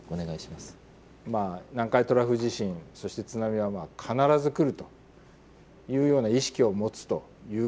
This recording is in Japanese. まあ南海トラフ地震そして津波はまあ必ず来るというような意識を持つということです。